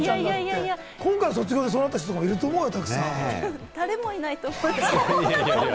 今回、卒業でそうなった人もたくさんいると思うよ。